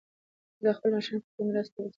موږ د خپلو مشرانو فکري میراث ته وفادار یو.